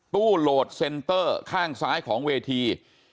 โหลดเซ็นเตอร์ข้างซ้ายของเวที